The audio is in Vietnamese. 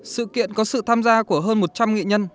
sự kiện có sự tham gia của hơn một trăm linh nghị nhân